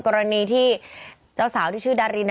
กรณีที่เจ้าสาวที่ชื่อดาริน